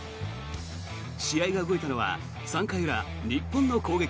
試合が動いたのは３回裏、日本の攻撃。